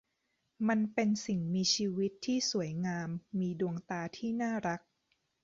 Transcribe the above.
มันเป็นสิ่งมีชีวิตที่สวยงามมีดวงตาที่น่ารัก